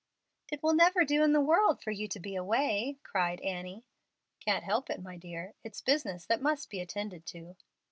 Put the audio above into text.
"It will never do in the world for you to be away," cried Annie. "Can't help it, my dear; it's business that must be attended to."